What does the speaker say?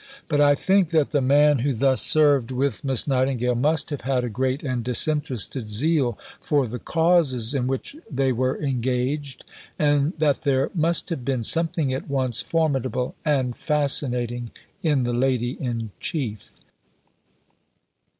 But I think that the man who thus served with Miss Nightingale must have had a great and disinterested zeal for the causes in which they were engaged; and that there must have been something at once formidable and fascinating in the Lady in Chief.